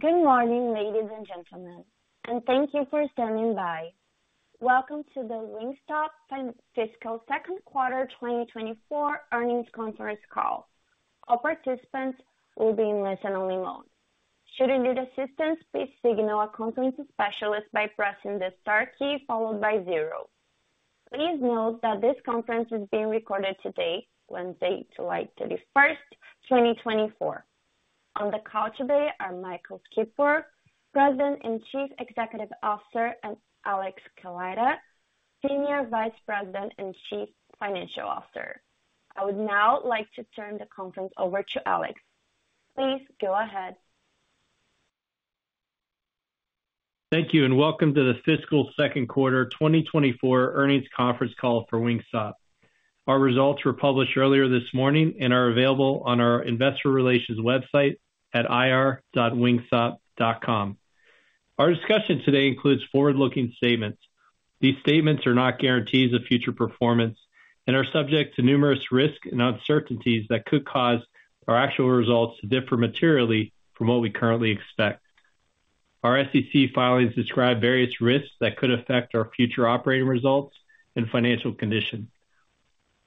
Good morning, ladies and gentlemen, and thank you for standing by. Welcome to the Wingstop Fiscal Second Quarter 2024 Earnings Conference Call. All participants will be in listen-only mode. Should you need assistance, please signal a conference specialist by pressing the star key followed by zero. Please note that this conference is being recorded today, Wednesday, July 31st, 2024. On the call today are Michael Skipworth, President and Chief Executive Officer, and Alex Kaleida, Senior Vice President and Chief Financial Officer. I would now like to turn the conference over to Alex. Please go ahead. Thank you, and welcome to the fiscal Q2 2024 earnings conference call for Wingstop. Our results were published earlier this morning and are available on our investor relations website at ir.wingstop.com. Our discussion today includes forward-looking statements. These statements are not guarantees of future performance and are subject to numerous risks and uncertainties that could cause our actual results to differ materially from what we currently expect. Our SEC filings describe various risks that could affect our future operating results and financial condition.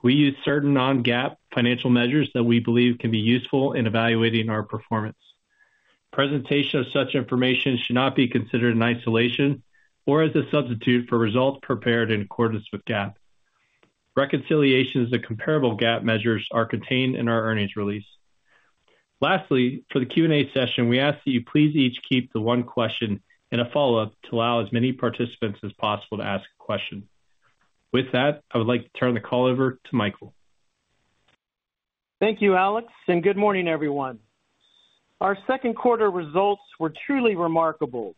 We use certain non-GAAP financial measures that we believe can be useful in evaluating our performance. Presentation of such information should not be considered in isolation or as a substitute for results prepared in accordance with GAAP. Reconciliations to comparable GAAP measures are contained in our earnings release. Lastly, for the Q&A session, we ask that you please each keep to one question and a follow-up to allow as many participants as possible to ask a question. With that, I would like to turn the call over to Michael. Thank you, Alex, and good morning, everyone. Our Q2 results were truly remarkable.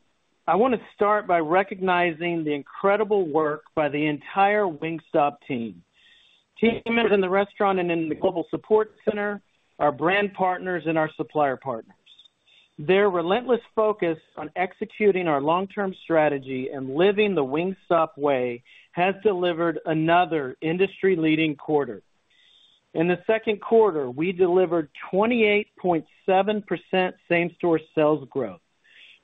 I want to start by recognizing the incredible work by the entire Wingstop team, team members in the restaurant and in the Global Support Center, our brand partners and our supplier partners. Their relentless focus on executing our long-term strategy and living the Wingstop Way has delivered another industry-leading quarter. In Q2, we delivered 28.7% same-store sales growth,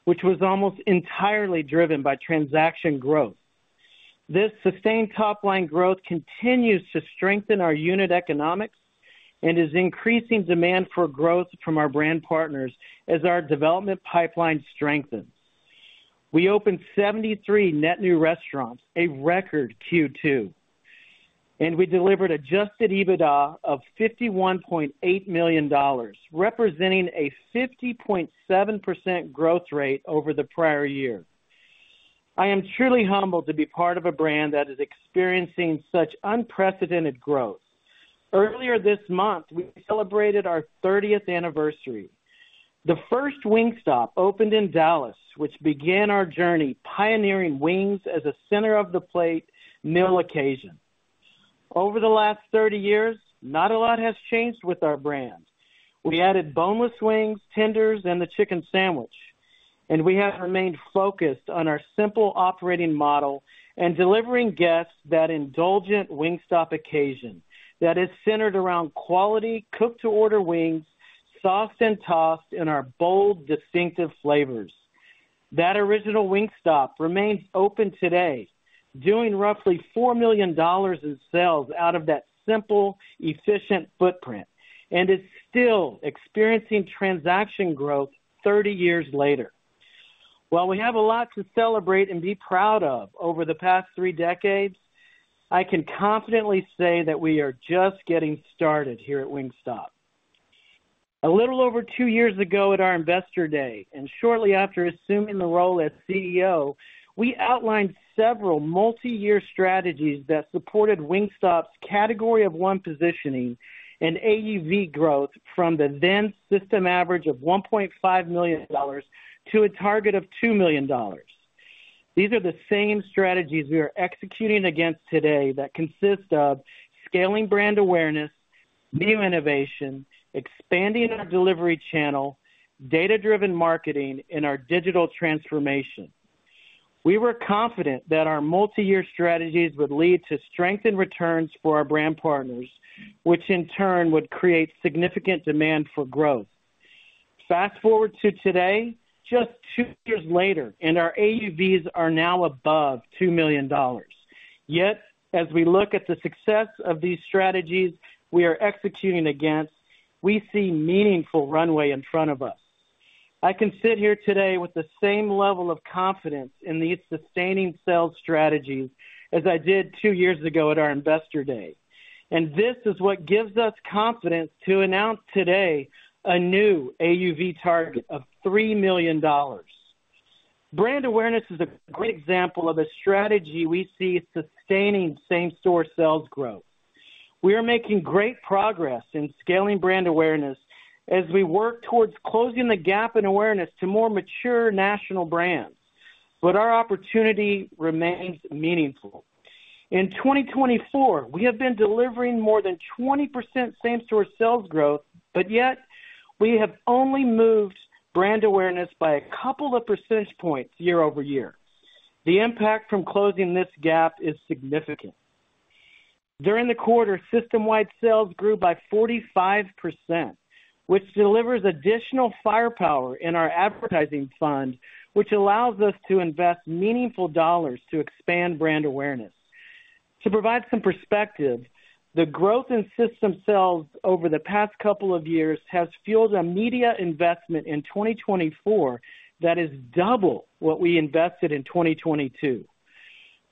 which was almost entirely driven by transaction growth. This sustained top-line growth continues to strengthen our unit economics and is increasing demand for growth from our brand partners as our development pipeline strengthens. We opened 73 net new restaurants, a record Q2, and we delivered adjusted EBITDA of $51.8 million, representing a 50.7% growth rate over the prior year. I am truly humbled to be part of a brand that is experiencing such unprecedented growth. Earlier this month, we celebrated our 30th anniversary. The first Wingstop opened in Dallas, which began our journey pioneering wings as a center-of-the-plate meal occasion. Over the last 30 years, not a lot has changed with our brand. We added boneless wings, tenders, and a chicken sandwich, and we have remained focused on our simple operating model and delivering guests that indulgent Wingstop occasion that is centered around quality, cooked to order wings, sauced and tossed in our bold, distinctive flavors. That original Wingstop remains open today, doing roughly $4 million in sales out of that simple, efficient footprint, and is still experiencing transaction growth 30 years later. While we have a lot to celebrate and be proud of over the past three decades, I can confidently say that we are just getting started here at Wingstop. A little over two years ago at our Investor Day, and shortly after assuming the role as CEO, we outlined several multi-year strategies that supported Wingstop's Category of One positioning and AUV growth from the then system average of $1.5 million to a target of $2 million. These are the same strategies we are executing against today that consist of scaling brand awareness, menu innovation, expanding our delivery channel, data-driven marketing, and our digital transformation. We were confident that our multi-year strategies would lead to strengthened returns for our brand partners, which in turn would create significant demand for growth. Fast forward to today, just two years later, and our AUVs are now above $2 million. Yet, as we look at the success of these strategies we are executing against, we see meaningful runway in front of us. I can sit here today with the same level of confidence in these sustaining sales strategies as I did two years ago at our Investor Day, and this is what gives us confidence to announce today a new AUV target of $3 million. Brand awareness is a great example of a strategy we see sustaining same-store sales growth. We are making great progress in scaling brand awareness as we work towards closing the gap in awareness to more mature national brands, but our opportunity remains meaningful. In 2024, we have been delivering more than 20% same-store sales growth, but yet we have only moved brand awareness by a couple of percentage points year-over-year. The impact from closing this gap is significant.... During the quarter, system-wide sales grew by 45%, which delivers additional firepower in our advertising fund, which allows us to invest meaningful dollars to expand brand awareness. To provide some perspective, the growth in system sales over the past couple of years has fueled a media investment in 2024 that is double what we invested in 2022.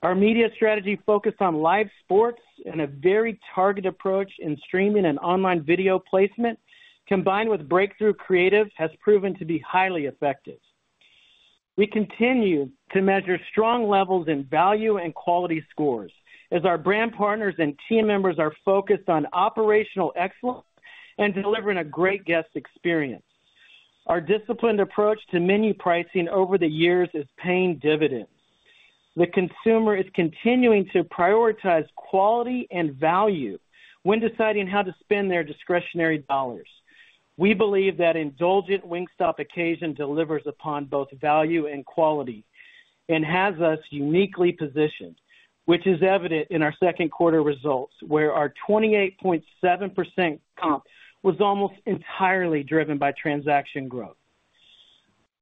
Our media strategy focused on live sports and a very targeted approach in streaming and online video placement, combined with breakthrough creative, has proven to be highly effective. We continue to measure strong levels in value and quality scores as our brand partners and team members are focused on operational excellence and delivering a great guest experience. Our disciplined approach to menu pricing over the years is paying dividends. The consumer is continuing to prioritize quality and value when deciding how to spend their discretionary dollars. We believe that indulgent Wingstop occasion delivers upon both value and quality and has us uniquely positioned, which is evident in our Q2 results, where our 28.7% comp was almost entirely driven by transaction growth.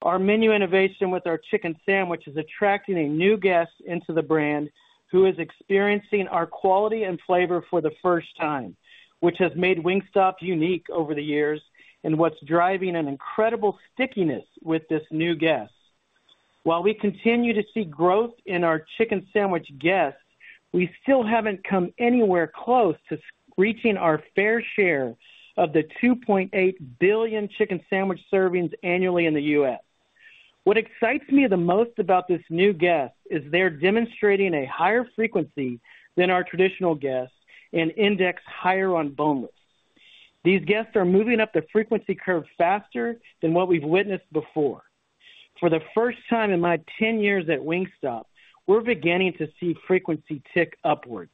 Our menu innovation with our Chicken Sandwich is attracting a new guest into the brand, who is experiencing our quality and flavor for the first time, which has made Wingstop unique over the years and what's driving an incredible stickiness with this new guest. While we continue to see growth in our Chicken Sandwich guests, we still haven't come anywhere close to reaching our fair share of the 2.8 billion Chicken Sandwich servings annually in the US What excites me the most about this new guest is they're demonstrating a higher frequency than our traditional guests and index higher on boneless. These guests are moving up the frequency curve faster than what we've witnessed before. For the first time in my 10 years at Wingstop, we're beginning to see frequency tick upwards.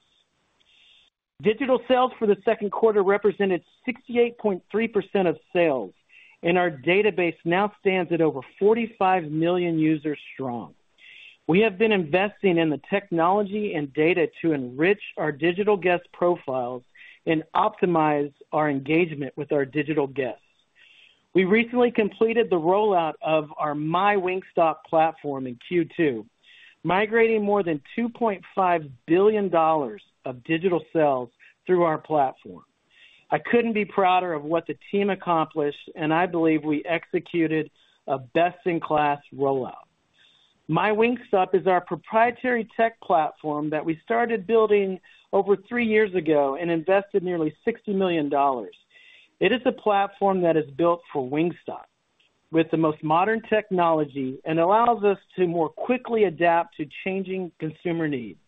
Digital sales for Q2 represented 68.3% of sales, and our database now stands at over 45 million users strong. We have been investing in the technology and data to enrich our digital guest profiles and optimize our engagement with our digital guests. We recently completed the rollout of our MyWingstop platform in Q2, migrating more than $2.5 billion of digital sales through our platform. I couldn't be prouder of what the team accomplished, and I believe we executed a best-in-class rollout. MyWingstop is our proprietary tech platform that we started building over three years ago and invested nearly $60 million. It is a platform that is built for Wingstop with the most modern technology and allows us to more quickly adapt to changing consumer needs.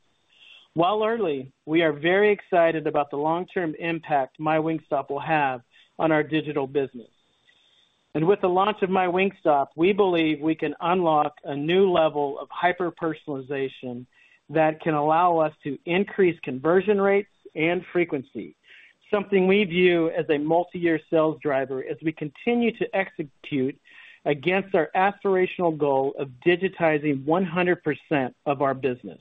While early, we are very excited about the long-term impact MyWingstop will have on our digital business. With the launch of MyWingstop, we believe we can unlock a new level of hyper-personalization that can allow us to increase conversion rates and frequency, something we view as a multiyear sales driver as we continue to execute against our aspirational goal of digitizing 100% of our business.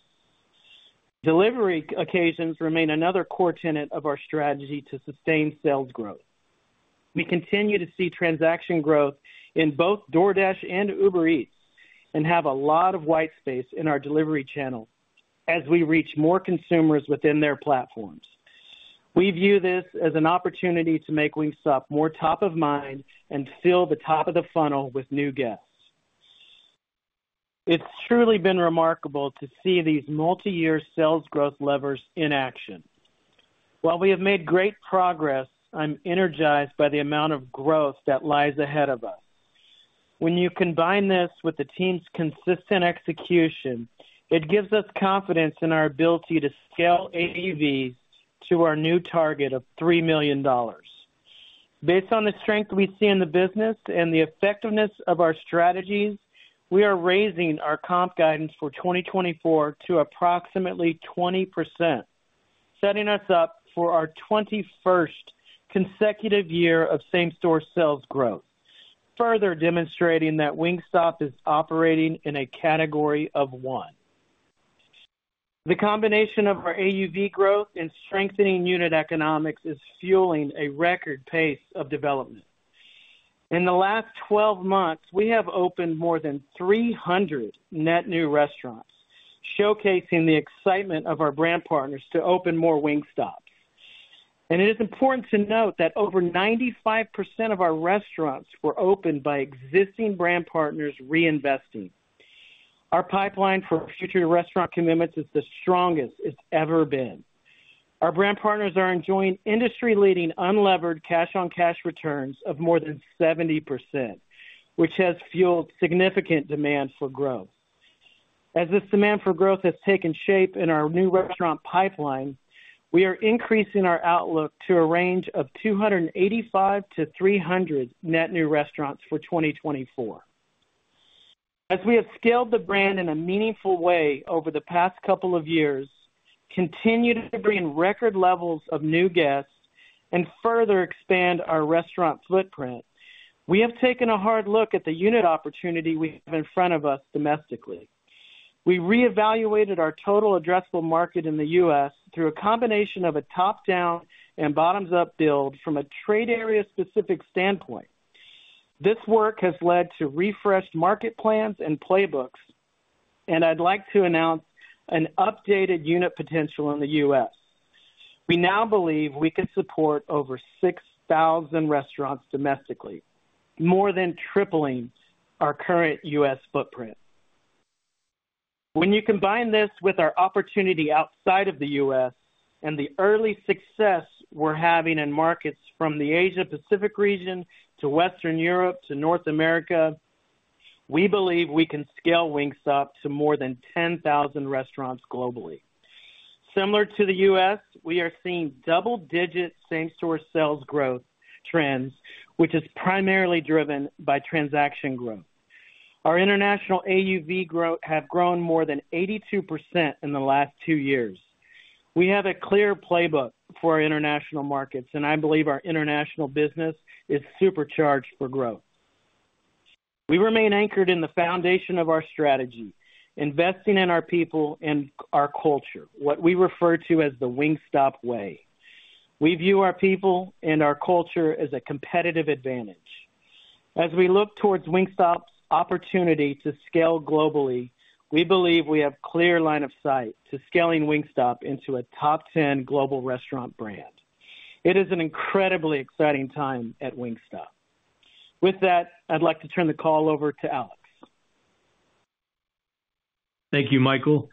Delivery occasions remain another core tenet of our strategy to sustain sales growth. We continue to see transaction growth in both DoorDash and Uber Eats and have a lot of white space in our delivery channel as we reach more consumers within their platforms. We view this as an opportunity to make Wingstop more top of mind and fill the top of the funnel with new guests. It's truly been remarkable to see these multiyear sales growth levers in action. While we have made great progress, I'm energized by the amount of growth that lies ahead of us. When you combine this with the team's consistent execution, it gives us confidence in our ability to scale AUV to our new target of $3 million. Based on the strength we see in the business and the effectiveness of our strategies, we are raising our comp guidance for 2024 to approximately 20%, setting us up for our 21st consecutive year of same-store sales growth, further demonstrating that Wingstop is operating in a Category of One. The combination of our AUV growth and strengthening unit economics is fueling a record pace of development. In the last 12 months, we have opened more than 300 net new restaurants, showcasing the excitement of our brand partners to open more Wingstops. It is important to note that over 95% of our restaurants were opened by existing brand partners reinvesting. Our pipeline for future restaurant commitments is the strongest it's ever been. Our brand partners are enjoying industry-leading unlevered cash-on-cash returns of more than 70%, which has fueled significant demand for growth. As this demand for growth has taken shape in our new restaurant pipeline, we are increasing our outlook to a range of 285 to 300 net new restaurants for 2024. As we have scaled the brand in a meaningful way over the past couple of years, continued to bring in record levels of new guests-... And further expand our restaurant footprint, we have taken a hard look at the unit opportunity we have in front of us domestically. We reevaluated our total addressable market in the US through a combination of a top-down and bottoms-up build from a trade area-specific standpoint. This work has led to refreshed market plans and playbooks, and I'd like to announce an updated unit potential in the US. We now believe we can support over 6,000 restaurants domestically, more than tripling our current US footprint. When you combine this with our opportunity outside of the US and the early success we're having in markets from the Asia Pacific region to Western Europe to North America, we believe we can scale Wingstop to more than 10,000 restaurants globally. Similar to the US, we are seeing double-digit same-store sales growth trends, which is primarily driven by transaction growth. Our international AUV growth have grown more than 82% in the last two years. We have a clear playbook for our international markets, and I believe our international business is supercharged for growth. We remain anchored in the foundation of our strategy, investing in our people and our culture, what we refer to as the Wingstop Way. We view our people and our culture as a competitive advantage. As we look towards Wingstop's opportunity to scale globally, we believe we have clear line of sight to scaling Wingstop into a top 10 global restaurant brand. It is an incredibly exciting time at Wingstop. With that, I'd like to turn the call over to Alex. Thank you, Michael.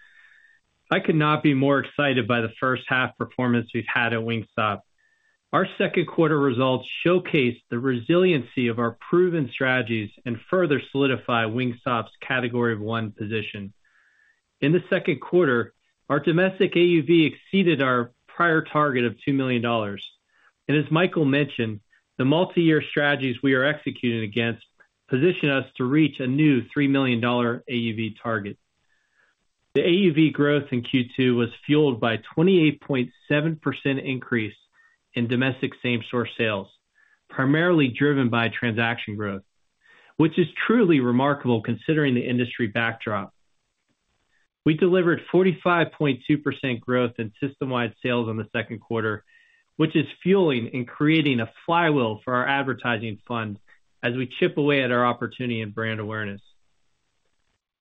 I could not be more excited by the first half performance we've had at Wingstop. Our Q2 results showcase the resiliency of our proven strategies and further solidify Wingstop's Category of One position. In Q2, our domestic AUV exceeded our prior target of $2 million. As Michael mentioned, the multiyear strategies we are executing against position us to reach a new $3 million AUV target. The AUV growth in Q2 was fueled by a 28.7% increase in domestic same-store sales, primarily driven by transaction growth, which is truly remarkable considering the industry backdrop. We delivered 45.2% growth in system-wide sales in Q2, which is fueling and creating a flywheel for our advertising fund as we chip away at our opportunity and brand awareness.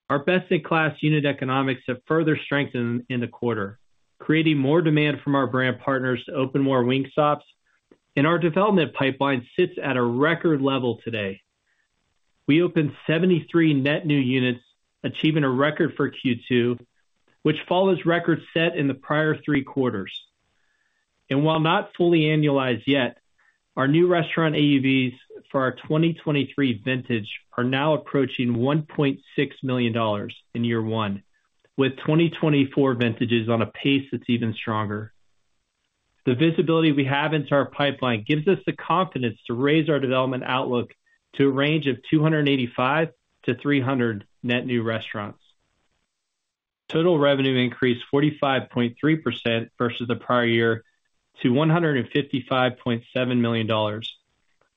Our best-in-class unit economics have further strengthened in the quarter, creating more demand from our brand partners to open more Wingstops, and our development pipeline sits at a record level today. We opened 73 net new units, achieving a record for Q2, which follows records set in the prior three quarters. And while not fully annualized yet, our new restaurant AUVs for our 2023 vintage are now approaching $1.6 million in year one, with 2024 vintages on a pace that's even stronger. The visibility we have into our pipeline gives us the confidence to raise our development outlook to a range of 285 to 300 net new restaurants. Total revenue increased 45.3% versus the prior year to $155.7 million.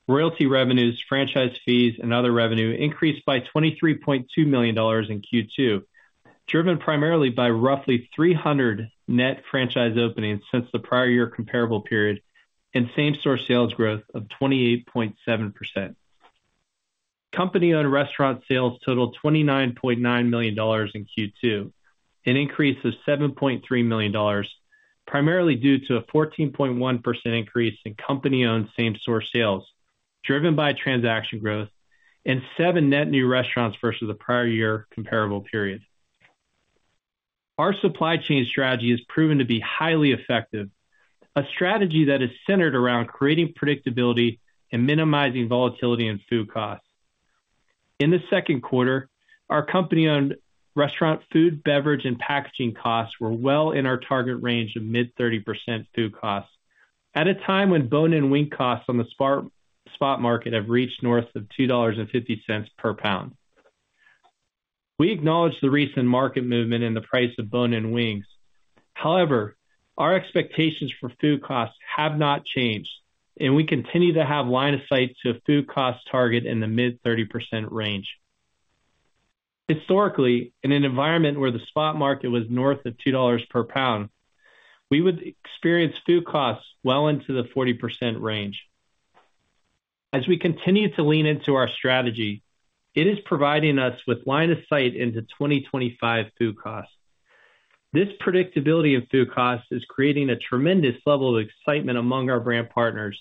Royalty revenues, franchise fees, and other revenue increased by $23.2 million in Q2, driven primarily by roughly 300 net franchise openings since the prior year comparable period, and same-store sales growth of 28.7%. Company-owned restaurant sales totaled $29.9 million in Q2, an increase of $7.3 million, primarily due to a 14.1% increase in company-owned same-store sales, driven by transaction growth and 7 net new restaurants versus the prior year comparable period. Our supply chain strategy has proven to be highly effective, a strategy that is centered around creating predictability and minimizing volatility in food costs. In Q2, our company-owned restaurant food, beverage, and packaging costs were well in our target range of mid-30% food costs at a time when bone-in wing costs on the spot market have reached north of $2.50 per pound. We acknowledge the recent market movement in the price of bone-in wings. However, our expectations for food costs have not changed, and we continue to have line of sight to a food cost target in the mid-30% range. Historically, in an environment where the spot market was north of $2 per pound, we would experience food costs well into the 40% range. As we continue to lean into our strategy, it is providing us with line of sight into 2025 food costs. This predictability in food costs is creating a tremendous level of excitement among our brand partners,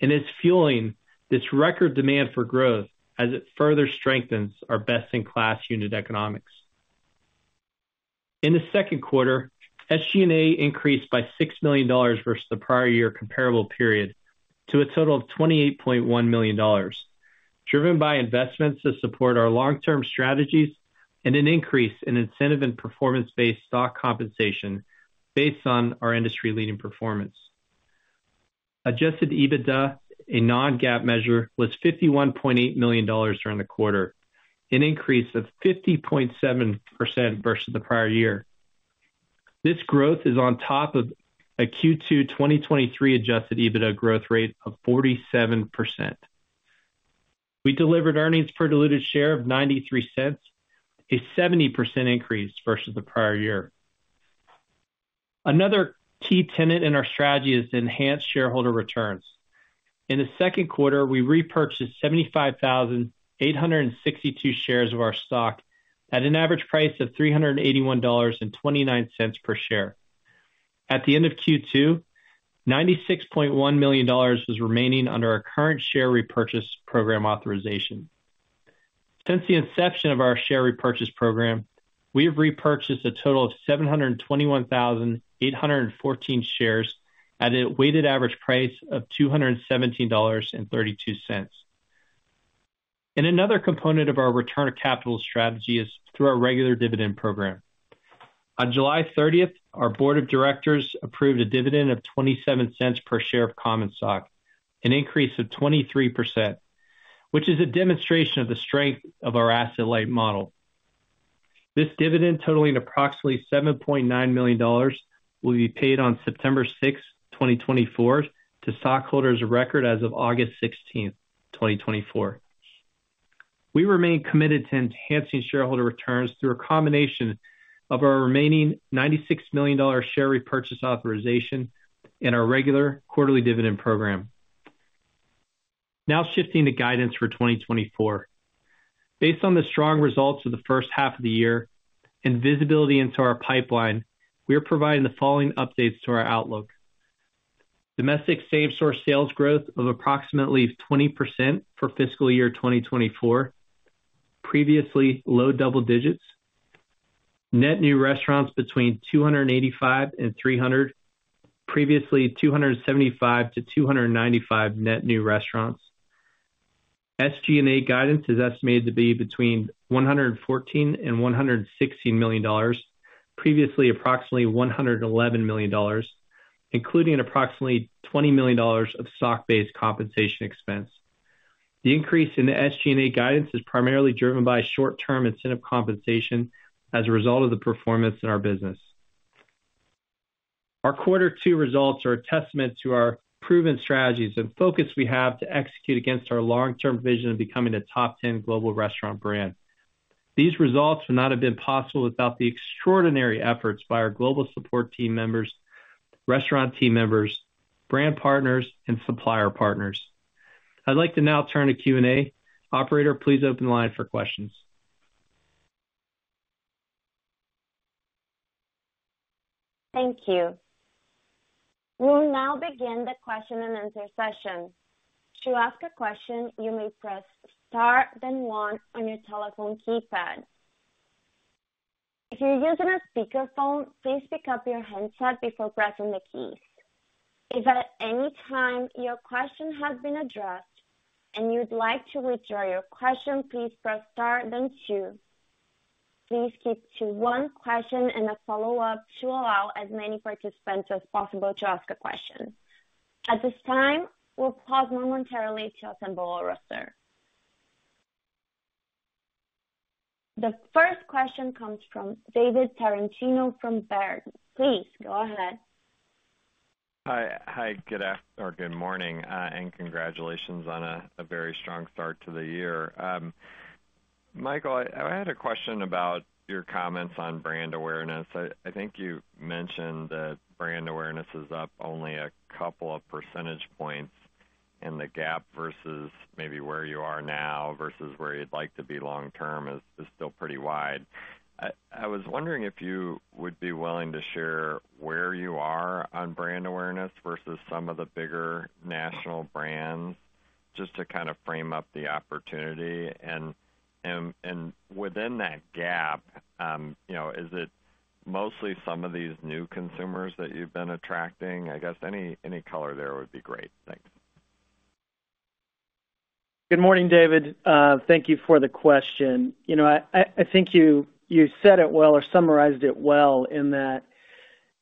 and it's fueling this record demand for growth as it further strengthens our best-in-class unit economics. In Q2, SG&A increased by $6 million versus the prior year comparable period to a total of $28.1 million, driven by investments to support our long-term strategies and an increase in incentive and performance-based stock compensation based on our industry-leading performance. Adjusted EBITDA, a non-GAAP measure, was $51.8 million during the quarter, an increase of 50.7% versus the prior year. This growth is on top of a Q2 2023 adjusted EBITDA growth rate of 47%. We delivered earnings per diluted share of $0.93, a 70% increase versus the prior year. Another key tenet in our strategy is to enhance shareholder returns. In Q2, we repurchased 75,862 shares of our stock at an average price of $381.29 per share. At the end of Q2, $96.1 million is remaining under our current share repurchase program authorization. Since the inception of our share repurchase program, we have repurchased a total of 721,814 shares at a weighted average price of $217.32. Another component of our return of capital strategy is through our regular dividend program. On July 30th, our board of directors approved a dividend of $0.27 per share of common stock, an increase of 23%, which is a demonstration of the strength of our asset-light model. This dividend, totaling approximately $7.9 million, will be paid on September 6th, 2024, to stockholders of record as of August 16th, 2024. We remain committed to enhancing shareholder returns through a combination of our remaining $96 million share repurchase authorization and our regular quarterly dividend program. Now shifting to guidance for 2024. Based on the strong results of the first half of the year and visibility into our pipeline, we are providing the following updates to our outlook. Domestic same-store sales growth of approximately 20% for fiscal year 2024, previously low double digits. Net new restaurants between 285 and 300, previously 275 to 295 net new restaurants. SG&A guidance is estimated to be between $114 million and $116 million, previously approximately $111 million, including approximately $20 million of stock-based compensation expense. The increase in the SG&A guidance is primarily driven by short-term incentive compensation as a result of the performance in our business. Our Q2 results are a testament to our proven strategies and focus we have to execute against our long-term vision of becoming a top ten global restaurant brand. These results would not have been possible without the extraordinary efforts by our global support team members, restaurant team members, brand partners, and supplier partners. I'd like to now turn to Q&A. Operator, please open the line for questions. Thank you. We'll now begin the question-and-answer session. To ask a question, you may press star, then one on your telephone keypad. If you're using a speakerphone, please pick up your handset before pressing the keys. If at any time your question has been addressed and you'd like to withdraw your question, please press star then two. Please keep to one question and a follow-up to allow as many participants as possible to ask a question. At this time, we'll pause momentarily to assemble our roster. The first question comes from David Tarantino from Baird. Please go ahead. Hi. Hi, good morning, and congratulations on a very strong start to the year. Michael, I had a question about your comments on brand awareness. I think you mentioned that brand awareness is up only a couple of percentage points in the gap versus maybe where you are now, versus where you'd like to be long term is still pretty wide. I was wondering if you would be willing to share where you are on brand awareness versus some of the bigger national brands, just to kind of frame up the opportunity. And within that gap, you know, is it mostly some of these new consumers that you've been attracting? I guess any color there would be great. Thanks. Good morning, David. Thank you for the question. You know, I think you said it well or summarized it well in that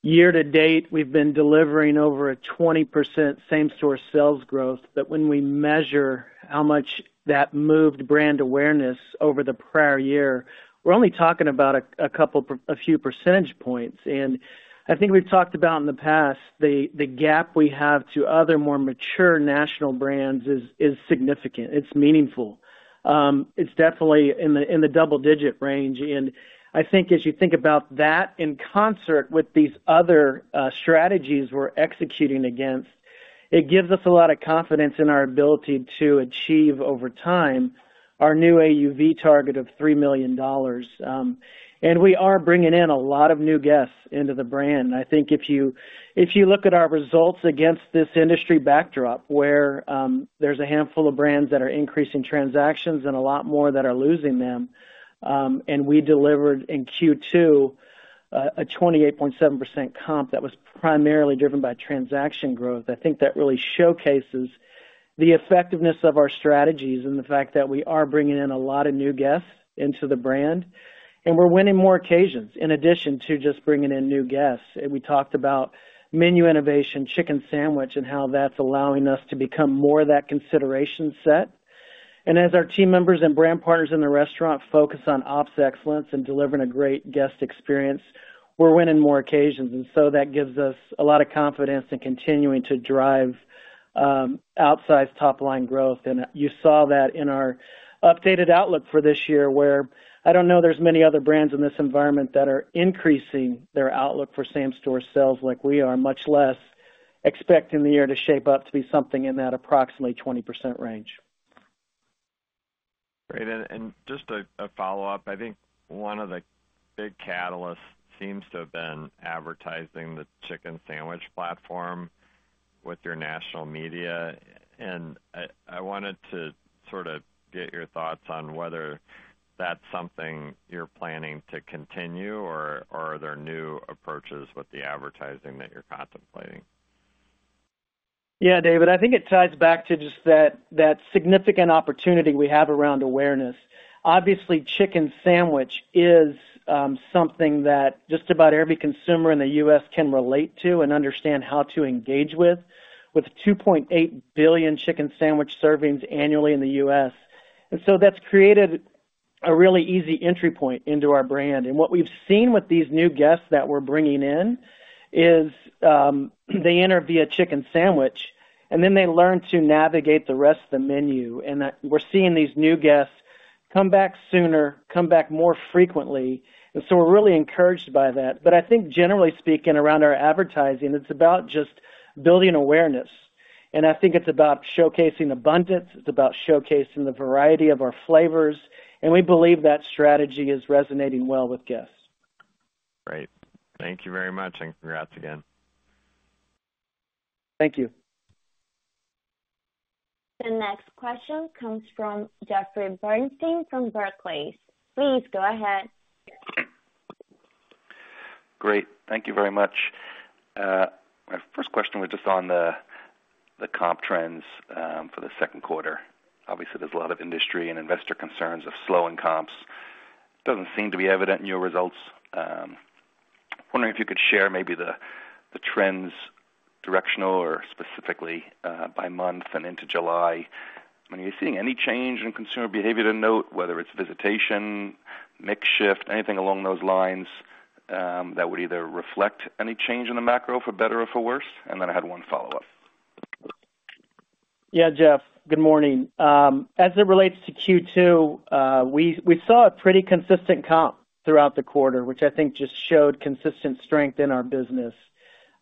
year-to-date, we've been delivering over 20% same-store sales growth, but when we measure how much that moved brand awareness over the prior year, we're only talking about a few percentage points. And I think we've talked about in the past, the gap we have to other, more mature national brands is significant. It's meaningful. It's definitely in the double-digit range. And I think as you think about that, in concert with these other strategies we're executing against, it gives us a lot of confidence in our ability to achieve over time our new AUV target of $3 million. And we are bringing in a lot of new guests into the brand. I think if you, if you look at our results against this industry backdrop, where there's a handful of brands that are increasing transactions and a lot more that are losing them, and we delivered in Q2 a 28.7% comp that was primarily driven by transaction growth. I think that really showcases the effectiveness of our strategies and the fact that we are bringing in a lot of new guests into the brand, and we're winning more occasions in addition to just bringing in new guests. And we talked about menu innovation, chicken sandwich, and how that's allowing us to become more of that consideration set. And as our team members and brand partners in the restaurant focus on ops excellence and delivering a great guest experience, we're winning more occasions, and so that gives us a lot of confidence in continuing to drive outsized top-line growth. And you saw that in our updated outlook for this year, where I don't know there's many other brands in this environment that are increasing their outlook for same-store sales like we are, much less expecting the year to shape up to be something in that approximately 20% range. Great. And just a follow-up. I think one of the big catalysts seems to have been advertising the Chicken Sandwich platform with your national media, and I wanted to sort of get your thoughts on whether that's something you're planning to continue, or are there new approaches with the advertising that you're contemplating? Yeah, David, I think it ties back to just that, that significant opportunity we have around awareness. Obviously, Chicken Sandwich is, something that just about every consumer in the US can relate to and understand how to engage with, with 2.8 billion Chicken Sandwich servings annually in the US And so that's created a really easy entry point into our brand. And what we've seen with these new guests that we're bringing in is, they enter via Chicken Sandwich, and then they learn to navigate the rest of the menu, and that we're seeing these new guests come back sooner, come back more frequently. And so we're really encouraged by that. But I think generally speaking, around our advertising, it's about just building awareness. And I think it's about showcasing abundance, it's about showcasing the variety of our flavors, and we believe that strategy is resonating well with guests. Great. Thank you very much, and congrats again. Thank you. The next question comes from Jeffrey Bernstein from Barclays. Please go ahead. Great. Thank you very much. My first question was just on the comp trends for Q2. Obviously, there's a lot of industry and investor concerns of slowing comps. Doesn't seem to be evident in your results. Wondering if you could share maybe the trends, directional or specifically, by month, and into July. I mean, are you seeing any change in consumer behavior to note, whether it's visitation, mix shift, anything along those lines, that would either reflect any change in the macro, for better or for worse? And then I had one follow-up. Yeah, Jeff, good morning. As it relates to Q2, we saw a pretty consistent comp throughout the quarter, which I think just showed consistent strength in our business.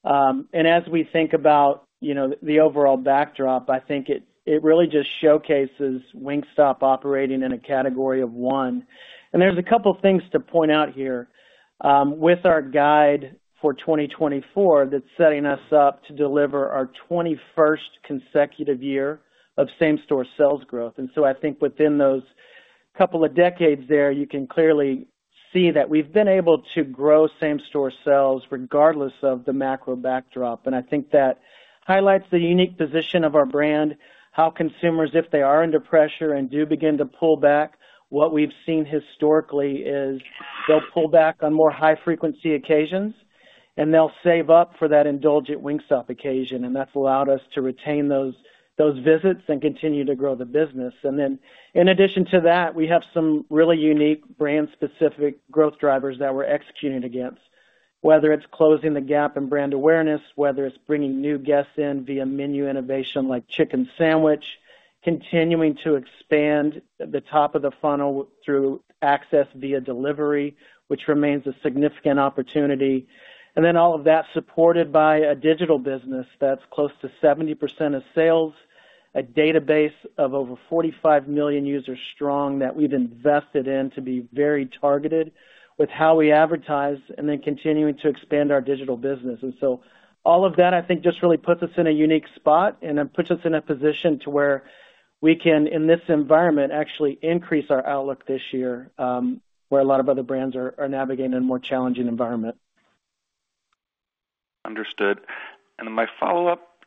And as we think about, you know, the overall backdrop, I think it really just showcases Wingstop operating in a Category of One. And there's a couple things to point out here. With our guide for 2024, that's setting us up to deliver our 21st consecutive year of same-store sales growth. And so I think within those couple of decades there, you can clearly see that we've been able to grow same-store sales regardless of the macro backdrop. And I think that highlights the unique position of our brand, how consumers, if they are under pressure and do begin to pull back, what we've seen historically is they'll pull back on more high-frequency occasions, and they'll save up for that indulgent Wingstop occasion, and that's allowed us to retain those, those visits and continue to grow the business. And then in addition to that, we have some really unique brand-specific growth drivers that we're executing against. Whether it's closing the gap in brand awareness, whether it's bringing new guests in via menu innovation like Chicken Sandwich, continuing to expand the top of the funnel through access via delivery, which remains a significant opportunity. Then all of that supported by a digital business that's close to 70% of sales, a database of over 45 million users strong, that we've invested in to be very targeted with how we advertise, and then continuing to expand our digital business. All of that, I think, just really puts us in a unique spot and then puts us in a position to where we can, in this environment, actually increase our outlook this year, where a lot of other brands are navigating a more challenging environment. Understood. My follow-up,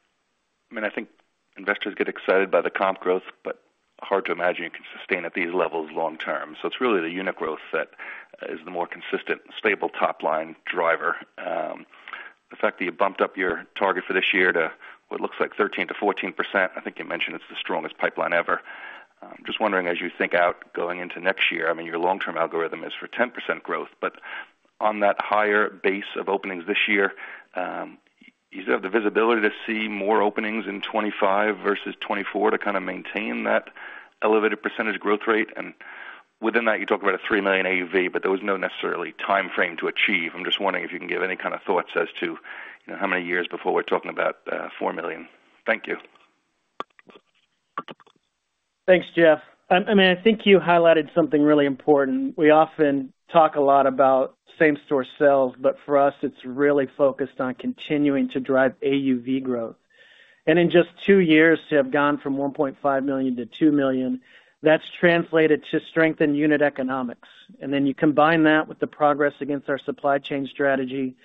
I mean, I think investors get excited by the comp growth, but hard to imagine you can sustain at these levels long term. It's really the unit growth set is the more consistent, stable top-line driver. The fact that you bumped up your target for this year to what looks like 13% to 14%, I think you mentioned it's the strongest pipeline ever. Just wondering, as you think out going into next year, I mean, your long-term algorithm is for 10% growth, but on that higher base of openings this year, you have the visibility to see more openings in 2025 versus 2024 to kind of maintain that elevated percentage growth rate? And within that, you talk about a $3 million AUV, but there was no necessarily time frame to achieve. I'm just wondering if you can give any kind of thoughts as to, you know, how many years before we're talking about 4 million? Thank you. Thanks, Jeff. I mean, I think you highlighted something really important. We often talk a lot about same-store sales, but for us, it's really focused on continuing to drive AUV growth. And in just two years, to have gone from $1.5 million to $2 million, that's translated to strengthen unit economics. And then you combine that with the progress against our supply chain strategy.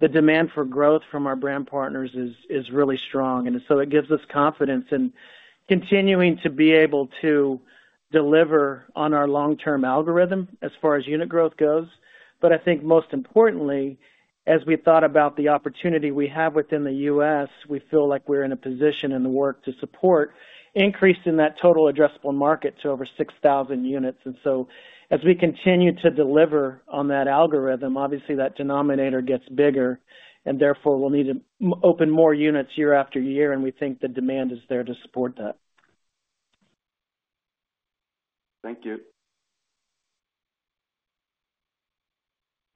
The demand for growth from our brand partners is really strong. And so it gives us confidence in continuing to be able to deliver on our long-term algorithm as far as unit growth goes. But I think most importantly, as we thought about the opportunity we have within the US, we feel like we're in a position in the world to support increasing that total addressable market to over 6,000 units. So as we continue to deliver on that algorithm, obviously that denominator gets bigger, and therefore, we'll need to open more units year after year, and we think the demand is there to support that. Thank you.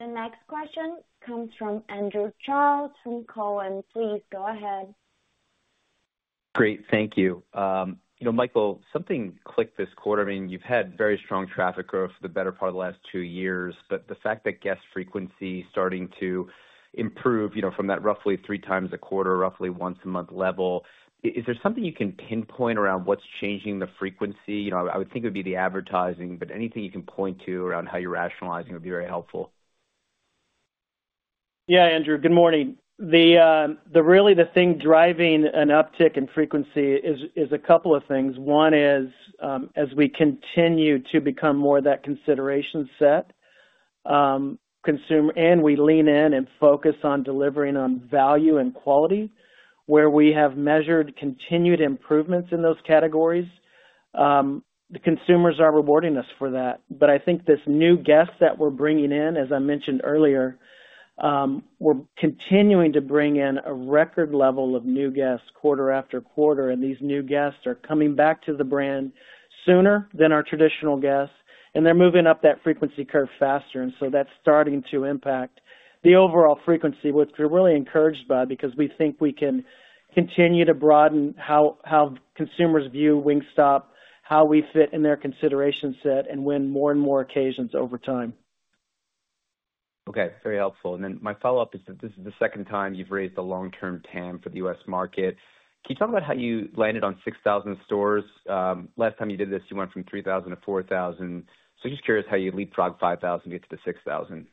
The next question comes from Andrew Charles from Cowen. Please go ahead. Great, thank you. You know, Michael, something clicked this quarter. I mean, you've had very strong traffic growth for the better part of the last two years, but the fact that guest frequency is starting to improve, you know, from that roughly 3x a quarter, roughly once a month level, is there something you can pinpoint around what's changing the frequency? You know, I would think it would be the advertising, but anything you can point to around how you're rationalizing would be very helpful. Yeah, Andrew, good morning. Really, the thing driving an uptick in frequency is a couple of things. One is, as we continue to become more of that consideration set, and we lean in and focus on delivering on value and quality, where we have measured continued improvements in those categories, the consumers are rewarding us for that. But I think this new guest that we're bringing in, as I mentioned earlier, we're continuing to bring in a record level of new guests quarter-after quarter, and these new guests are coming back to the brand sooner than our traditional guests, and they're moving up that frequency curve faster, and so that's starting to impact the overall frequency, which we're really encouraged by, because we think we can continue to broaden how consumers view Wingstop, how we fit in their consideration set, and win more and more occasions over time. Okay, very helpful. Then my follow-up is that this is the second time you've raised the long-term TAM for the US market. Can you talk about how you landed on 6,000 stores? Last time you did this, you went from 3,000 to 4,000. Just curious how you leapfrogged 5,000 to get to the 6,000.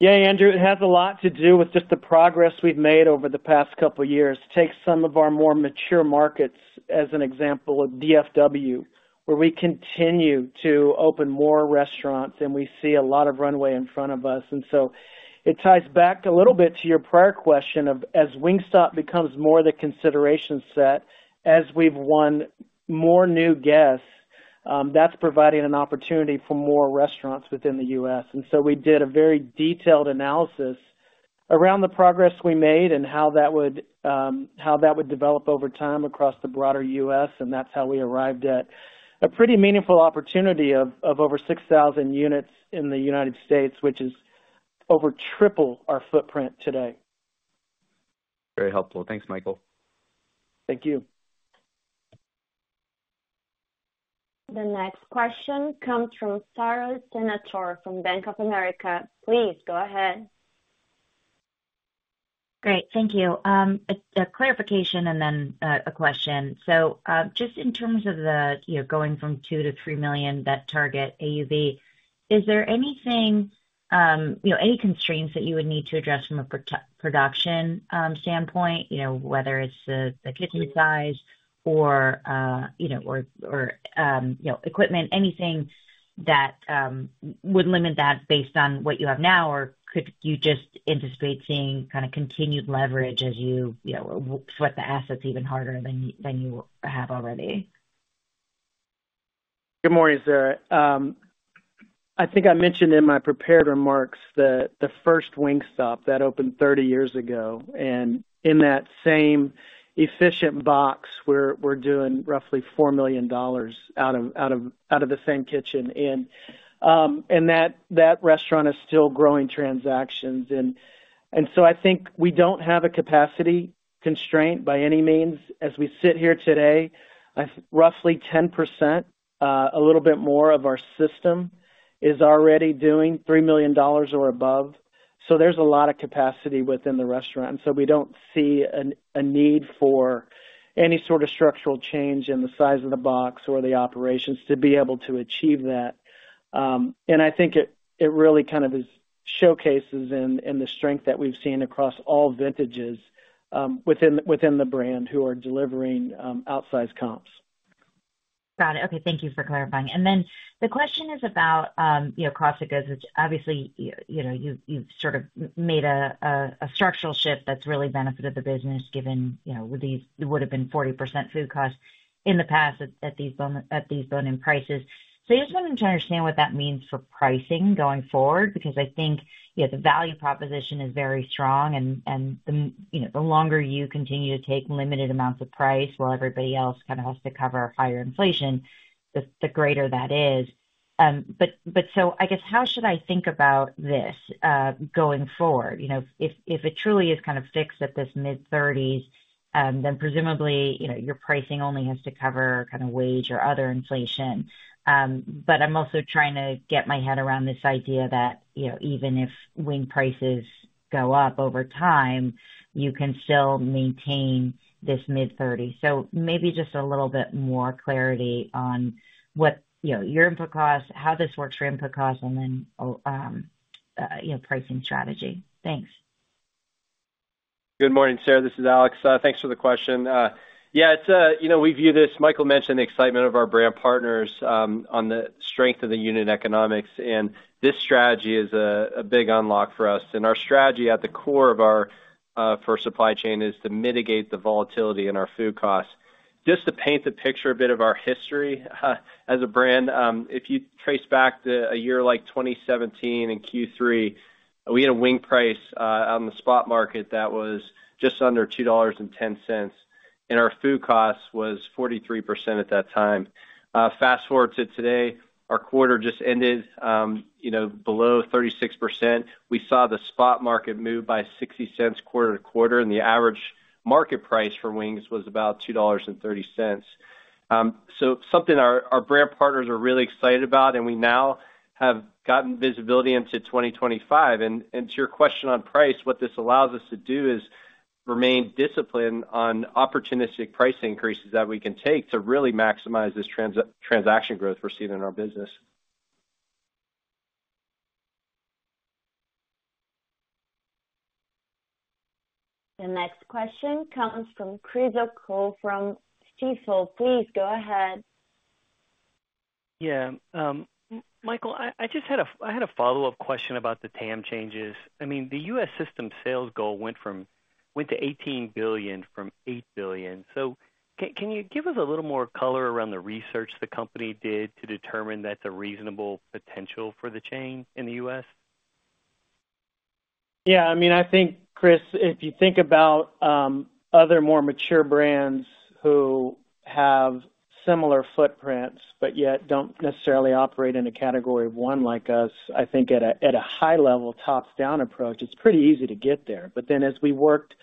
Yeah, Andrew, it has a lot to do with just the progress we've made over the past couple of years. Take some of our more mature markets, as an example, of DFW, where we continue to open more restaurants, and we see a lot of runway in front of us. And so it ties back a little bit to your prior question of, as Wingstop becomes more the consideration set, as we've won more new guests, that's providing an opportunity for more restaurants within the US. And so we did a very detailed analysis around the progress we made and how that would, how that would develop over time across the broader US, and that's how we arrived at a pretty meaningful opportunity of, of over 6,000 units in the United States, which is over triple our footprint today. Very helpful. Thanks, Michael. Thank you. The next question comes from Sara Senatore from Bank of America. Please go ahead. Great, thank you. A clarification and then a question. So, just in terms of the, you know, going from $2 million to $3 million, that target AUV, is there anything, you know, any constraints that you would need to address from a production standpoint? You know, whether it's the kitchen size or, you know, or equipment, anything that would limit that based on what you have now? Or could you just anticipate seeing kind of continued leverage as you, you know, sweat the assets even harder than you have already? Good morning, Sara. I think I mentioned in my prepared remarks that the first Wingstop that opened 30 years ago, and in that same efficient box, we're doing roughly $4 million out of the same kitchen. And, and that restaurant is still growing transactions. And, so I think we don't have a capacity constraint by any means. As we sit here today, roughly 10%, a little bit more of our system is already doing $3 million or above. So there's a lot of capacity within the restaurant, and so we don't see a need for any sort of structural change in the size of the box or the operations to be able to achieve that. And I think it really kind of showcases the strength that we've seen across all vintages within the brand, who are delivering outsized comps. Got it. Okay, thank you for clarifying. And then the question is about, you know, cost of goods. Which obviously, you know, you, you've sort of made a structural shift that's really benefited the business, given, you know, with these, it would've been 40% food costs in the past at these bone-in prices. So I just wanted to understand what that means for pricing going forward, because I think, you know, the value proposition is very strong, and, and, you know, the longer you continue to take limited amounts of price, while everybody else kind of has to cover higher inflation, the greater that is. But so I guess, how should I think about this going forward? You know, if it truly is kind of fixed at this mid-thirties, then presumably, you know, your pricing only has to cover kind of wage or other inflation. But I'm also trying to get my head around this idea that, you know, even if wing prices go up over time, you can still maintain this mid-thirty. So maybe just a little bit more clarity on what, you know, your input costs, how this works for input costs, and then, you know, pricing strategy. Thanks. Good morning, Sarah, this is Alex. Thanks for the question. Yeah, it's, you know, we view this, Michael mentioned the excitement of our brand partners, on the strength of the unit economics, and this strategy is a big unlock for us. Our strategy at the core of our, for supply chain, is to mitigate the volatility in our food costs. Just to paint the picture a bit of our history, as a brand, if you trace back to a year like 2017 in Q3, we had a wing price, on the spot market that was just under $2.10, and our food cost was 43% at that time. Fast-forward to today, our quarter just ended, you know, below 36%. We saw the spot market move by $0.60 quarter-over-quarter, and the average market price for wings was about $2.30. So, something our brand partners are really excited about, and we now have gotten visibility into 2025. To your question on price, what this allows us to do is remain disciplined on opportunistic price increases that we can take to really maximize this transaction growth we're seeing in our business. The next question comes from Chris O'Cull from Stifel. Please go ahead. Yeah, Michael, I just had a follow-up question about the TAM changes. I mean, the US system sales goal went from $8 billion to $18 billion. So can you give us a little more color around the research the company did to determine that's a reasonable potential for the chain in the US? Yeah, I mean, I think, Chris, if you think about other more mature brands who have similar footprints, but yet don't necessarily operate in a category one like us, I think at a, at a high level, top-down approach, it's pretty easy to get there. But then, as we worked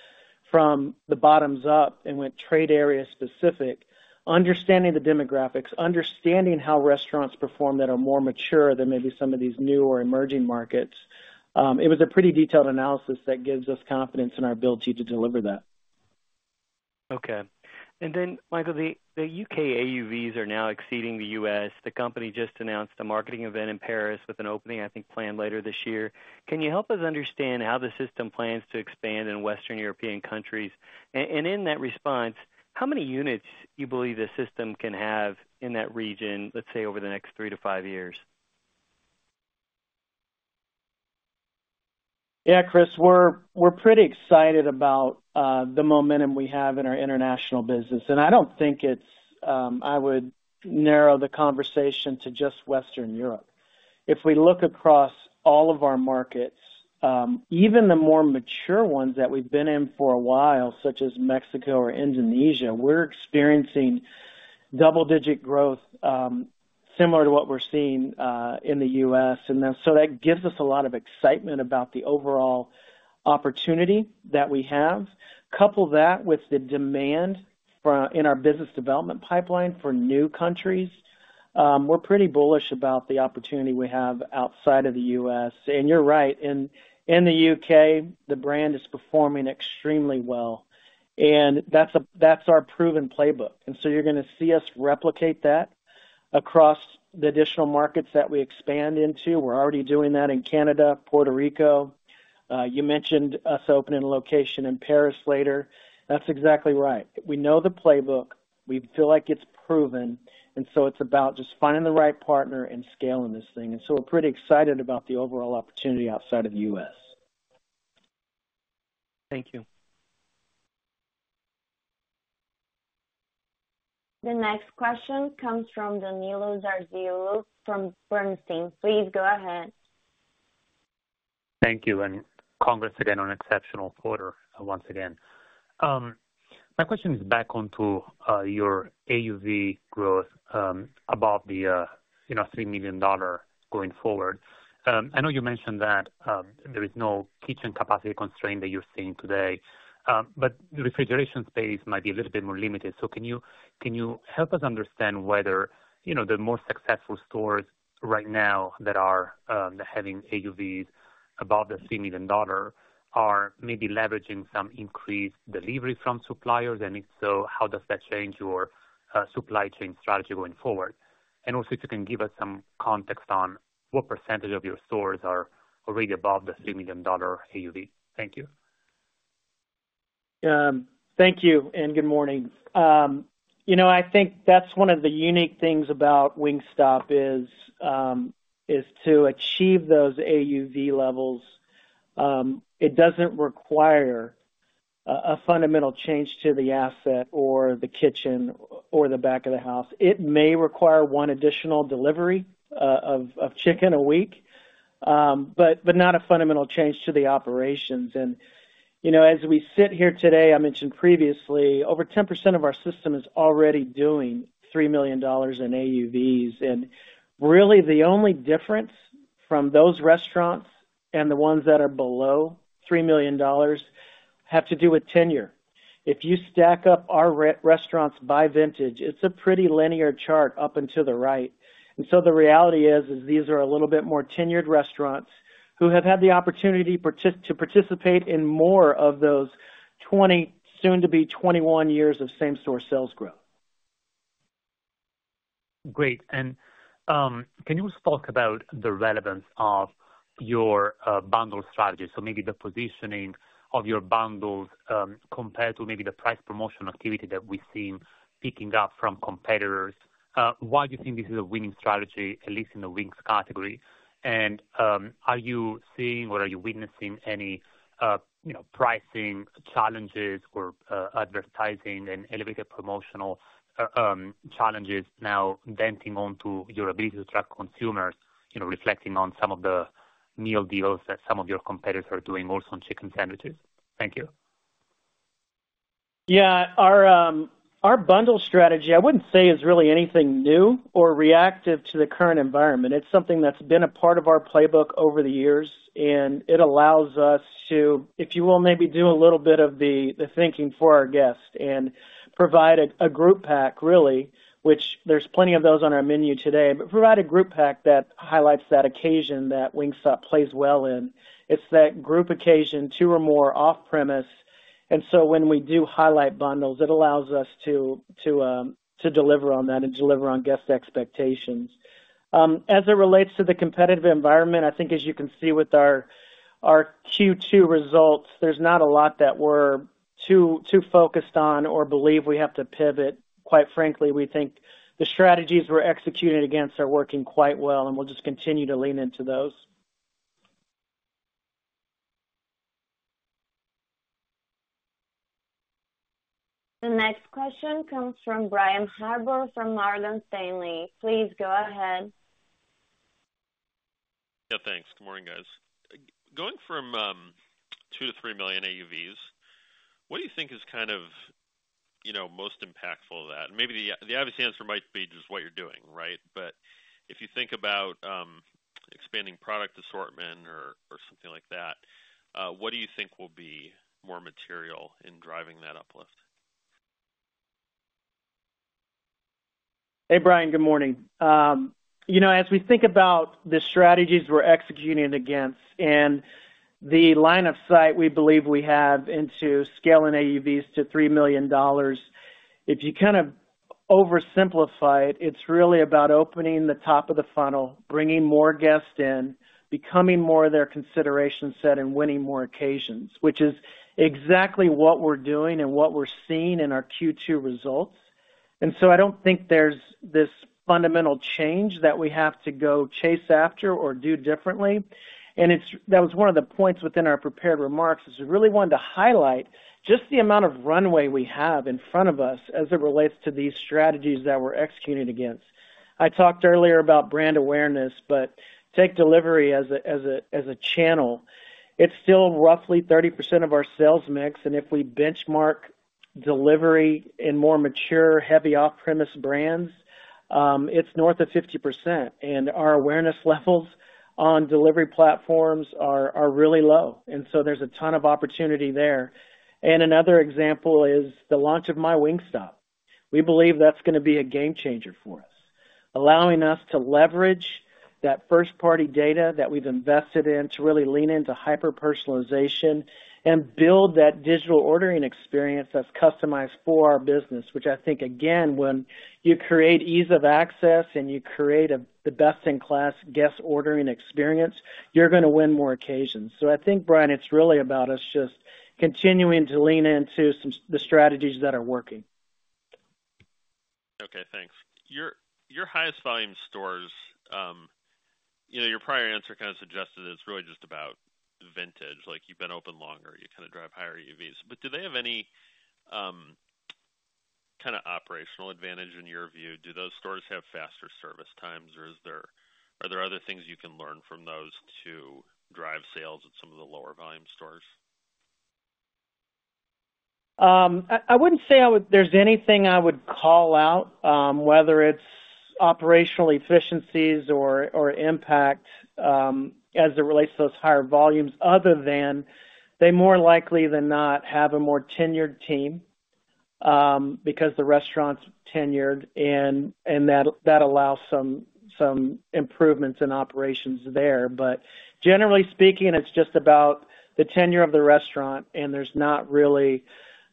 from the bottoms up and went trade area specific, understanding the demographics, understanding how restaurants perform that are more mature than maybe some of these new or emerging markets, it was a pretty detailed analysis that gives us confidence in our ability to deliver that. Okay. And then, Michael, the UK AUVs are now exceeding the US The company just announced a marketing event in Paris with an opening, I think, planned later this year. Can you help us understand how the system plans to expand in Western European countries? And in that response, how many units do you believe the system can have in that region, let's say, over the next three to five years? Yeah, Chris, we're pretty excited about the momentum we have in our international business. I don't think I would narrow the conversation to just Western Europe. If we look across all of our markets, even the more mature ones that we've been in for a while, such as Mexico or Indonesia, we're experiencing double-digit growth, similar to what we're seeing in the US. So that gives us a lot of excitement about the overall opportunity that we have. Couple that with the demand for in our business development pipeline for new countries, we're pretty bullish about the opportunity we have outside of the US. And you're right, in the UK, the brand is performing extremely well, and that's our proven playbook, and so you're gonna see us replicate that across the additional markets that we expand into. We're already doing that in Canada, Puerto Rico. You mentioned us opening a location in Paris later. That's exactly right. We know the playbook. We feel like it's proven, and so it's about just finding the right partner and scaling this thing. And so we're pretty excited about the overall opportunity outside of the US Thank you. The next question comes from Danilo Gargiulo from Bernstein. Please go ahead. Thank you, and congrats again on an exceptional quarter, once again. My question is back onto your AUV growth, about the, you know, $3 million going forward. I know you mentioned that there is no kitchen capacity constraint that you're seeing today, but the refrigeration space might be a little bit more limited. So can you, can you help us understand whether, you know, the more successful stores right now that are having AUVs above the $3 million are maybe leveraging some increased delivery from suppliers? And if so, how does that change your supply chain strategy going forward? And also, if you can give us some context on what percentage of your stores are already above the $3 million AUV. Thank you. Thank you, and good morning. You know, I think that's one of the unique things about Wingstop is to achieve those AUV levels, it doesn't require a fundamental change to the asset or the kitchen or the back of the house. It may require one additional delivery of chicken a week, but not a fundamental change to the operations. And, you know, as we sit here today, I mentioned previously, over 10% of our system is already doing $3 million in AUVs. And really, the only difference from those restaurants and the ones that are below $3 million have to do with tenure. If you stack up our restaurants by vintage, it's a pretty linear chart up and to the right. The reality is, these are a little bit more tenured restaurants who have had the opportunity to participate in more of those 20, soon to be 21 years of same-store sales growth. Great. And can you talk about the relevance of your bundle strategy? So maybe the positioning of your bundles compared to maybe the price promotion activity that we've seen picking up from competitors. Why do you think this is a winning strategy, at least in the wings category? And are you seeing or are you witnessing any you know pricing challenges or advertising and elevated promotional challenges now denting on to your ability to attract consumers, you know, reflecting on some of the meal deals that some of your competitors are doing also on chicken sandwiches? Thank you. Yeah. Our, our bundle strategy, I wouldn't say, is really anything new or reactive to the current environment. It's something that's been a part of our playbook over the years, and it allows us to, if you will, maybe do a little bit of the, the thinking for our guests and provide a, a group pack, really, which there's plenty of those on our menu today. But provide a group pack that highlights that occasion that Wingstop plays well in. It's that group occasion, two or more off-premise, and so when we do highlight bundles, it allows us to, to, to deliver on that and deliver on guest expectations. As it relates to the competitive environment, I think as you can see with our, our Q2 results, there's not a lot that we're too, too focused on or believe we have to pivot. Quite frankly, we think the strategies we're executing against are working quite well, and we'll just continue to lean into those. The next question comes from Brian Harbour from Morgan Stanley. Please go ahead. Yeah, thanks. Good morning, guys. Going from two to three million AUVs, what do you think is kind of, you know, most impactful of that? Maybe the obvious answer might be just what you're doing, right? But if you think about expanding product assortment or something like that, what do you think will be more material in driving that uplift? Hey, Brian, good morning. You know, as we think about the strategies we're executing against and the line of sight we believe we have into scaling AUVs to $3 million, if you kind of oversimplify it, it's really about opening the top of the funnel, bringing more guests in, becoming more of their consideration set and winning more occasions, which is exactly what we're doing and what we're seeing in our Q2 results. And so I don't think there's this fundamental change that we have to go chase after or do differently. And it's. That was one of the points within our prepared remarks, is we really wanted to highlight just the amount of runway we have in front of us as it relates to these strategies that we're executing against. I talked earlier about brand awareness, but take delivery as a channel. It's still roughly 30% of our sales mix, and if we benchmark delivery in more mature, heavy, off-premise brands, it's north of 50%, and our awareness levels on delivery platforms are really low, and so there's a ton of opportunity there. And another example is the launch of MyWingstop. We believe that's gonna be a game changer for us, allowing us to leverage that first-party data that we've invested in to really lean into hyper-personalization and build that digital ordering experience that's customized for our business, which I think, again, when you create ease of access and you create the best-in-class guest ordering experience, you're gonna win more occasions. So I think, Brian, it's really about us just continuing to lean into the strategies that are working. Okay, thanks. Your highest volume stores, you know, your prior answer kind of suggested it's really just about vintage. Like, you've been open longer, you kind of drive higher AUVs. But do they have any kind of operational advantage in your view? Do those stores have faster service times, or are there other things you can learn from those to drive sales at some of the lower volume stores? I wouldn't say there's anything I would call out, whether it's operational efficiencies or impact, as it relates to those higher volumes, other than they more likely than not have a more tenured team, because the restaurant's tenured, and that allows some improvements in operations there. But generally speaking, it's just about the tenure of the restaurant, and there's not really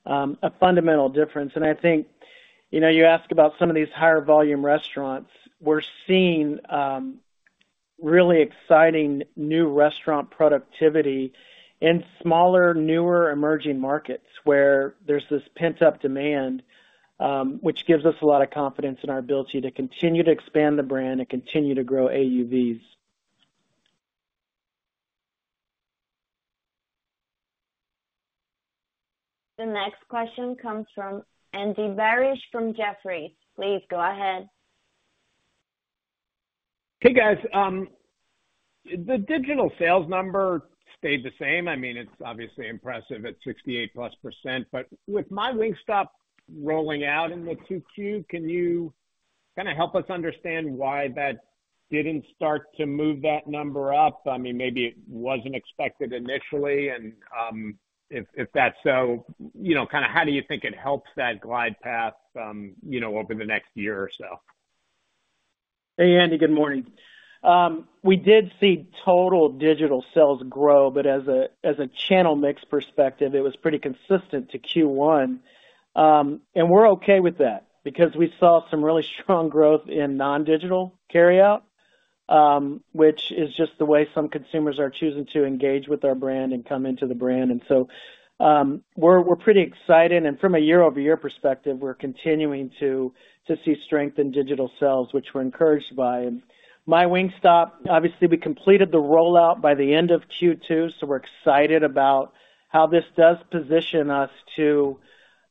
a fundamental difference. And I think, you know, you ask about some of these higher volume restaurants. We're seeing really exciting new restaurant productivity in smaller, newer, emerging markets, where there's this pent-up demand, which gives us a lot of confidence in our ability to continue to expand the brand and continue to grow AUVs. The next question comes from Andy Barish from Jefferies. Please go ahead. Hey, guys. The digital sales number stayed the same. I mean, it's obviously impressive at 68%+, but with MyWingstop rolling out in the Q2, can you, kind of help us understand why that didn't start to move that number up? I mean, maybe it wasn't expected initially, and if that's so, you know, kind of how do you think it helps that glide path, you know, over the next year or so? Hey, Andy, good morning. We did see total digital sales grow, but as a channel mix perspective, it was pretty consistent to Q1. We're okay with that because we saw some really strong growth in non-digital carryout, which is just the way some consumers are choosing to engage with our brand and come into the brand. So, we're pretty excited. From a year-over-year perspective, we're continuing to see strength in digital sales, which we're encouraged by MyWingstop, obviously, we completed the rollout by the end of Q2, so we're excited about how this does position us to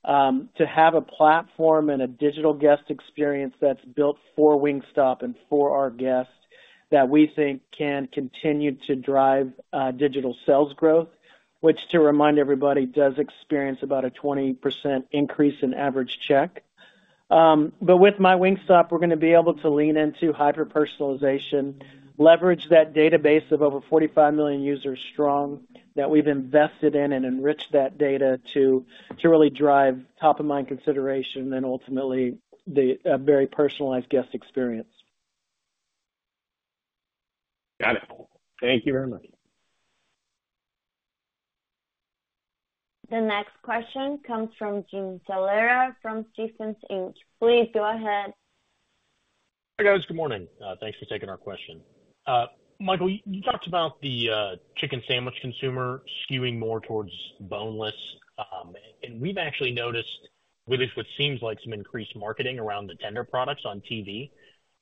have a platform and a digital guest experience that's built for Wingstop and for our guests, that we think can continue to drive digital sales growth, which, to remind everybody, does experience about a 20% increase in average check. But with MyWingstop, we're gonna be able to lean into hyper-personalization, leverage that database of over 45 million users strong, that we've invested in and enrich that data to really drive top-of-mind consideration and ultimately, a very personalized guest experience. Got it. Thank you very much. The next question comes from Jim Salera from Stephens Inc. Please go ahead. Hi, guys. Good morning. Thanks for taking our question. Michael, you talked about the chicken sandwich consumer skewing more towards boneless. And we've actually noticed with what seems like some increased marketing around the tender products on TV.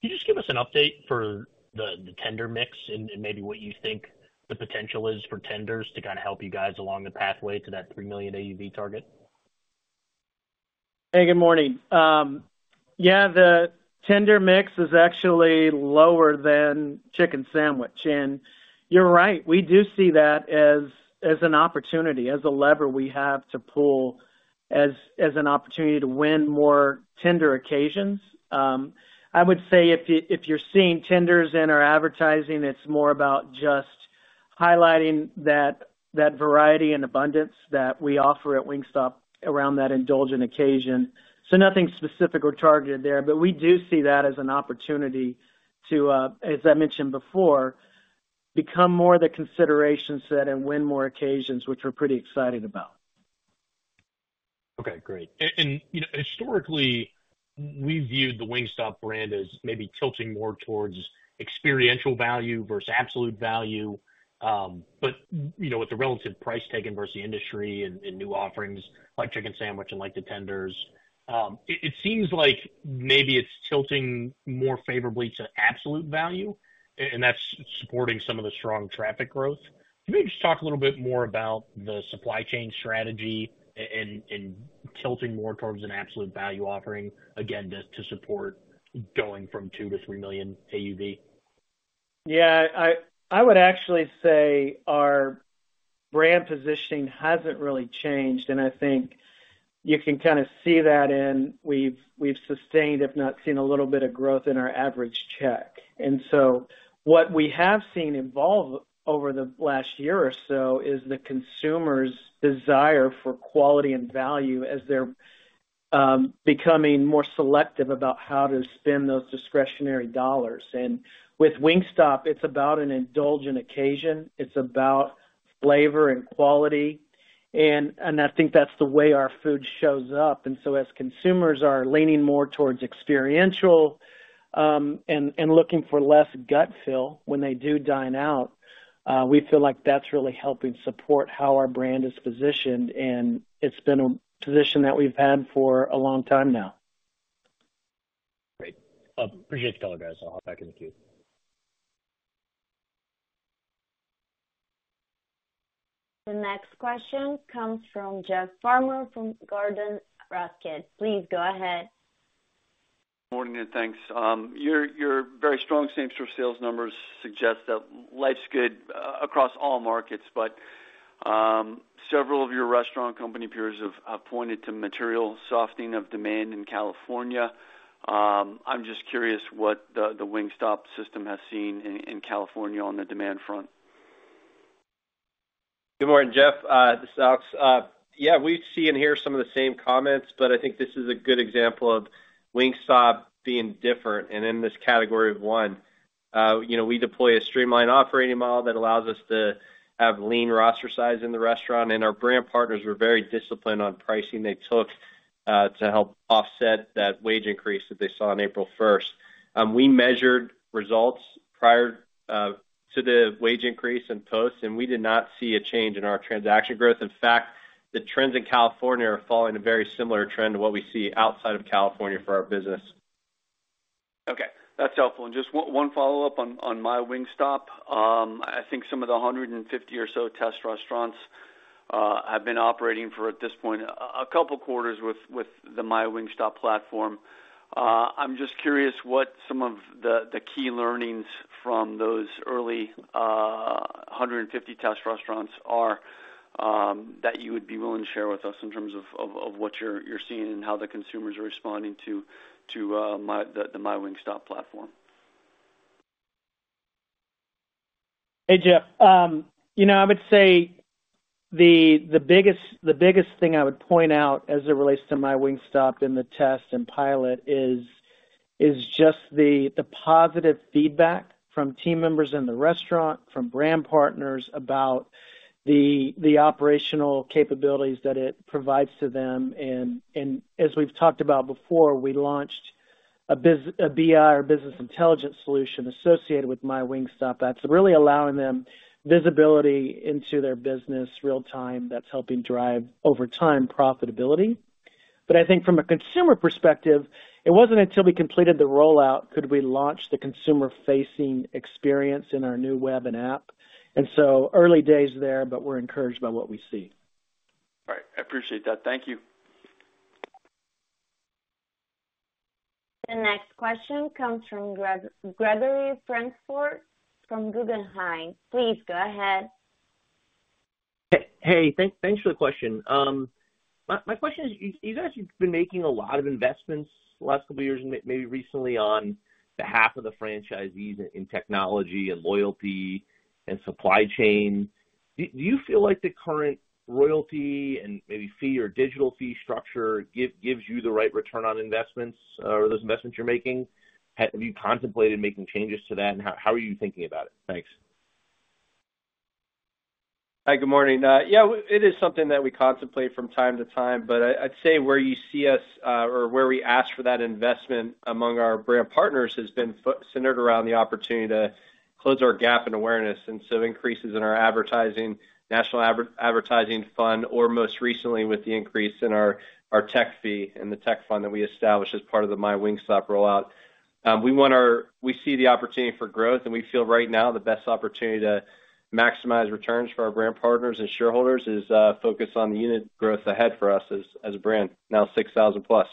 Can you just give us an update for the tender mix and maybe what you think the potential is for tenders to kind of help you guys along the pathway to that 3 million AUV target? Hey, good morning. Yeah, the tender mix is actually lower than chicken sandwich. You're right, we do see that as an opportunity, as a lever we have to pull, as an opportunity to win more tender occasions. I would say if you're seeing tenders in our advertising, it's more about just highlighting that variety and abundance that we offer at Wingstop around that indulgent occasion. Nothing specific or targeted there, but we do see that as an opportunity to, as I mentioned before, become more of the consideration set and win more occasions, which we're pretty excited about. Okay, great. And, you know, historically, we viewed the Wingstop brand as maybe tilting more towards experiential value versus absolute value. But, you know, with the relative price taken versus the industry and new offerings like chicken sandwich and like the tenders, it seems like maybe it's tilting more favorably to absolute value, and that's supporting some of the strong traffic growth. Can you just talk a little bit more about the supply chain strategy and tilting more towards an absolute value offering, again, to support going from $2 million to $3 million AUV? Yeah, I would actually say our brand positioning hasn't really changed, and I think you can kind of see that in we've sustained, if not seen a little bit of growth in our average check. And so what we have seen evolve over the last year or so is the consumer's desire for quality and value as they're becoming more selective about how to spend those discretionary dollars. And with Wingstop, it's about an indulgent occasion. It's about flavor and quality. And I think that's the way our food shows up. And so as consumers are leaning more towards experiential and looking for less gut fill when they do dine out, we feel like that's really helping support how our brand is positioned, and it's been a position that we've had for a long time now. Great. I appreciate the color, guys. I'll hop back in the queue. The next question comes from Jeff Farmer from Gordon Haskett. Please go ahead. Morning, and thanks. Your very strong same-store sales numbers suggest that life's good across all markets, but several of your restaurant company peers have pointed to material softening of demand in California. I'm just curious what the Wingstop system has seen in California on the demand front. Good morning, Jeff. This is Alex. Yeah, we see and hear some of the same comments, but I think this is a good example of Wingstop being different and in this Category of One. You know, we deploy a streamlined operating model that allows us to have lean roster size in the restaurant, and our brand partners were very disciplined on pricing they took to help offset that wage increase that they saw on April first. We measured results prior to the wage increase and post, and we did not see a change in our transaction growth. In fact, the trends in California are following a very similar trend to what we see outside of California for our business. Okay, that's helpful. Just one follow-up on MyWingstop. I think some of the 150 or so test restaurants have been operating for, at this point, a couple quarters with the MyWingstop platform. I'm just curious what some of the key learnings from those early 150 test restaurants are?that you would be willing to share with us in terms of what you're seeing and how the consumers are responding to the MyWingstop platform? Hey, Jeff. You know, I would say the biggest thing I would point out as it relates to MyWingstop in the test and pilot is just the positive feedback from team members in the restaurant, from brand partners about the operational capabilities that it provides to them. And as we've talked about before, we launched a BI or business intelligence solution associated with MyWingstop. That's really allowing them visibility into their business real time, that's helping drive, over time, profitability. But I think from a consumer perspective, it wasn't until we completed the rollout could we launch the consumer-facing experience in our new web and app. And so early days there, but we're encouraged by what we see. All right, I appreciate that. Thank you. The next question comes from Gregory Francfort from Guggenheim. Please go ahead. Hey, thanks, thanks for the question. My question is, you guys, you've been making a lot of investments the last couple of years, maybe recently on behalf of the franchisees in technology and loyalty and supply chain. Do you feel like the current royalty and maybe fee or digital fee structure gives you the right return on investments or those investments you're making? Have you contemplated making changes to that, and how are you thinking about it? Thanks. Hi, good morning. Yeah, it is something that we contemplate from time to time, but I'd say where you see us, or where we ask for that investment among our brand partners, has been centered around the opportunity to close our gap in awareness, and so increases in our advertising, national advertising fund, or most recently, with the increase in our, our tech fee and the tech fund that we established as part of the MyWingstop rollout. We see the opportunity for growth, and we feel right now the best opportunity to maximize returns for our brand partners and shareholders is focus on the unit growth ahead for us as a brand, now 6,000+.